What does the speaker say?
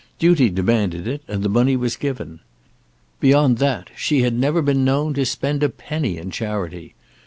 Duty demanded it, and the money was given. Beyond that she had never been known to spend a penny in charity.